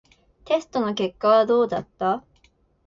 テストの結果はどうだった？